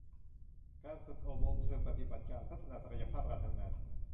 การฝึกอบรมเชิงปฏิบัติการพัฒนาศักยภาพคณะทำงาน